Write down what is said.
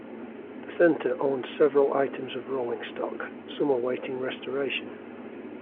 The centre owns several items of rolling stock, some awaiting restoration.